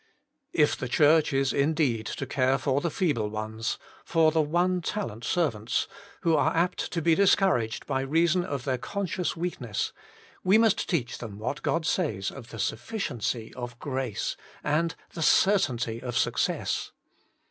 If the Church is indeed to care for the feeble ones, for the one talent serv ants, who are apt to be discouraged by rea son of their conscious weakness, we must teach them what God says of the sufficiency of grace and the certainty of success.